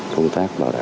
công tác bảo đảm